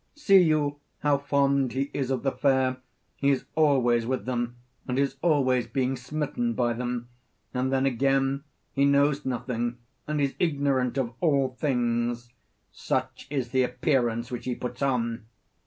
See you how fond he is of the fair? He is always with them and is always being smitten by them, and then again he knows nothing and is ignorant of all things such is the appearance which he puts on.